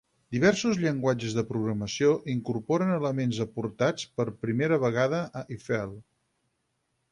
Diversos llenguatges de programació incorporen elements aportats per primera vegada a Eiffel.